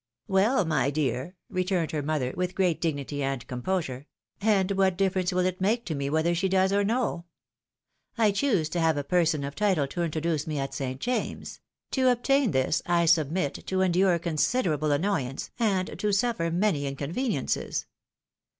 " Well, my dear," returned her mother, with great dignity and composure, " and what difference will it make to me whether she does or no ? I choose to have a person of title to introduce me at St. James's ; to obtain this, I submit to endure considerable annoyance, and to sufl^er many inconveniences.